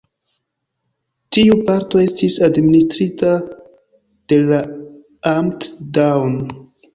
Tiu parto estis administrita de la Amt Daun.